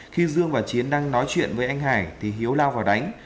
khi dương và chiến đang nói chuyện với anh hải thì hiếu lao vào đánh